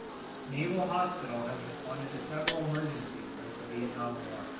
Naval Hospital has responded to several emergencies since the Vietnam War.